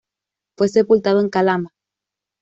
Fue sepultado en Calama.